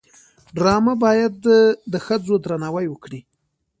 ډرامه باید د ښځو درناوی وکړي